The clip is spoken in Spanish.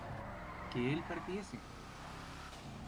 que él partiese